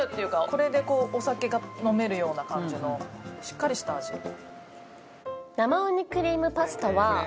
これでお酒が飲めるような感じのしっかりした味ああ